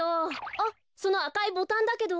あっそのあかいボタンだけど。